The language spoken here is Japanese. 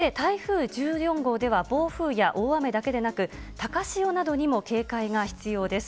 そして台風１４号では暴風や大雨だけでなく、高潮などにも警戒が必要です。